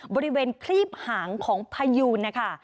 บริเวณคลีบหางของพยูนนะคะ